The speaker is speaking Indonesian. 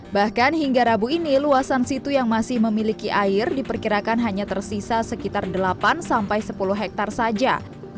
bahkan hingga rabu ini luasan situ yang masih memiliki air diperkirakan hanya tersisa sekitar delapan sampai sepuluh hektare saja